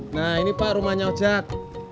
nah ini pak rumahnya ojek